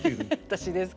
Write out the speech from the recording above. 私ですか？